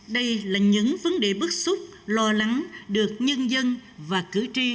đây là những vấn đề bất xúc lo lắng được nhân dân và cựu